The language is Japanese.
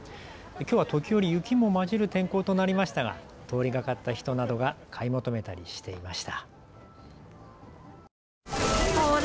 きょうは時折、雪も交じる天候となりましたが通りがかった人などが買い求めたりしていました。